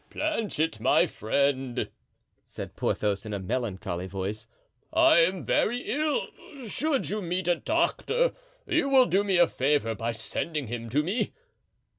"Planchet, my friend," said Porthos, in a melancholy voice, "I am very ill; should you meet a doctor you will do me a favor by sending him to me."